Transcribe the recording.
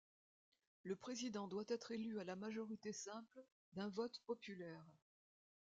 Le président doit être élu à la majorité simple d'un vote populaire.